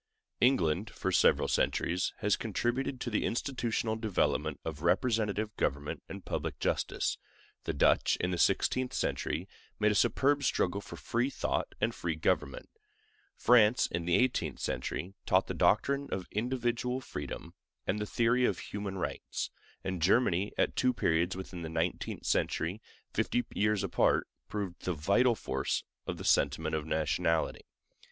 England, for several centuries, has contributed to the institutional development of representative government and public justice; the Dutch, in the sixteenth century, made a superb struggle for free thought and free government; France, in the eighteenth century, taught the doctrine of individual freedom and the theory of human rights; and Germany, at two periods within the nineteenth century, fifty years apart, proved the vital force of the sentiment of nationality.